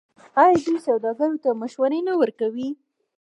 آیا دوی سوداګرو ته مشورې نه ورکوي؟